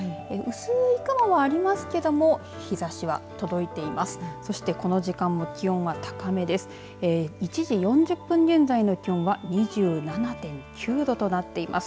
薄い雲もありますけども日ざしは届いています。